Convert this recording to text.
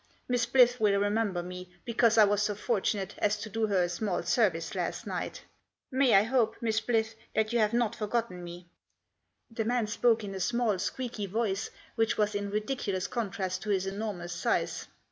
Miss Blyth will remember me, because I was so fortunate as to do her a small service last night May I hope, Miss Blyth, that you have not forgotten me ?" The man spoke in a small, squeaky voice, which was in ridiculous contrast to his enormous size.